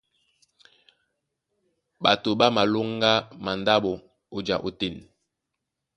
Ɓato ɓá malóŋgá mandáɓo ó ja ótên.